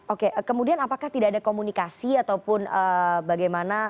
oke kemudian apakah tidak ada komunikasi ataupun bagaimana